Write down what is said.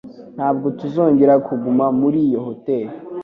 Ntabwo tuzongera kuguma muri iyo hoteri.